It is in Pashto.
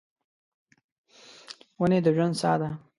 ونې د ژوند ساه ده.